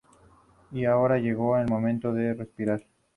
Y ahora llegó el momento de respirar.